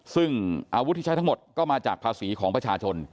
ซึ่งอาวุธที่ใช้ทั้งหมดก็มาจากภาษีของประชาชน